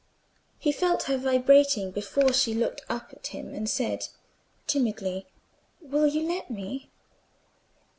He felt her vibrating before she looked up at him and said, timidly, "Will you let me?"